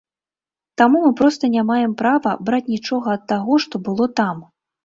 Таму мы проста не маем права браць нічога ад таго, што было там.